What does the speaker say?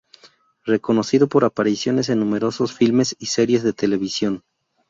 Reconocido por apariciones en numerosos filmes y series de televisión.